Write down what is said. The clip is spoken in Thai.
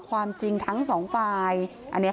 คุณพ่อคุณว่าไง